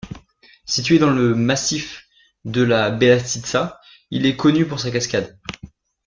Situé dans le massif de la Belassitsa, il est connu pour sa cascade.